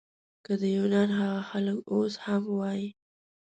که د یونان هغه خلک اوس هم وای.